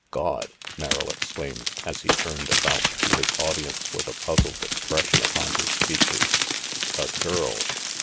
"Gawd!" Merrill exclaimed, as he turned about to his audience with a puzzled expression upon his features. "A girl!"